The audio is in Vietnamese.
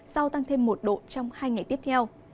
sau tăng thêm một độ trong hai ngày tiếp theo